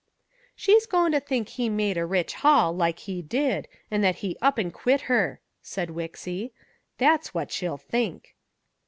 "She's goin' to think he made a rich haul, like he did, and that he up and quit her," said Wixy. "That's what she'll think."